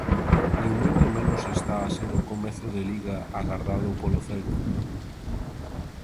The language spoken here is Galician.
Nin moito menos está a ser o comezo de Liga agardado polo Celta.